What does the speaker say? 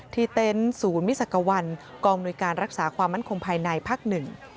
เต็นต์ศูนย์มิสักวันกองอำนวยการรักษาความมั่นคงภายในภาคหนึ่ง